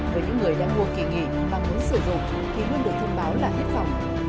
với những người đang mua kỳ nghỉ mà muốn sử dụng thì luôn được thông báo là hiếp phòng